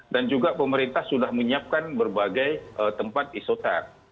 dan juga pemerintah sudah menyiapkan berbagai tempat isotek